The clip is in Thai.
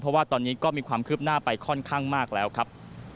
เพราะว่าตอนนี้ก็มีความคืบหน้าไปค่อนข้างมากแล้วครับ